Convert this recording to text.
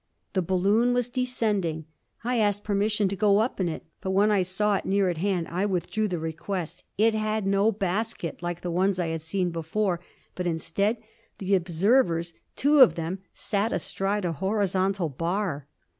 The balloon was descending. I asked permission to go up in it, but when I saw it near at hand I withdrew the request. It had no basket, like the ones I had seen before, but instead the observers, two of them, sat astride a horizontal bar.